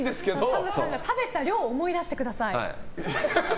ＳＡＭさんが食べた量を思い出してください。